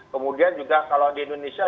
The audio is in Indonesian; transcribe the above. kemudian juga kalau di indonesia